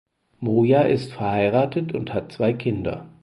Moia ist verheiratet und hat zwei Kinder.